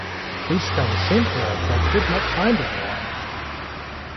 A police car was sent there but did not find anyone.